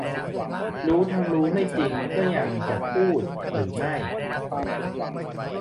รู้ทั้งรู้ว่าไม่จริงก็ยังจะพูดหรือไม่